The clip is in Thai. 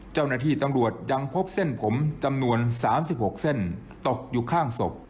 เจ้าหน้าที่ตำรวจยังพบเส้นผมจำนวน๓๖เส้นตกอยู่ข้างศพ